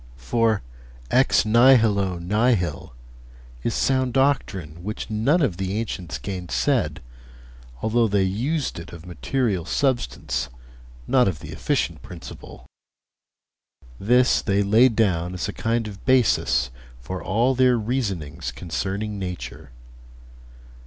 For "ex nihilo nihil" is sound doctrine which none of the ancients gainsaid, although they used it of material substance, not of the efficient principle; this they laid down as a kind of basis for all their reasonings concerning nature.